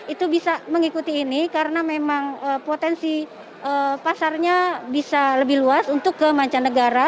itu bisa mengikuti ini karena memang potensi pasarnya bisa lebih luas untuk ke mancanegara